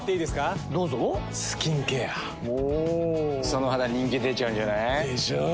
その肌人気出ちゃうんじゃない？でしょう。